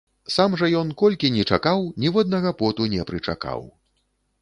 Сам жа ён, колькі ні чакаў, ніводнага поту не прычакаў.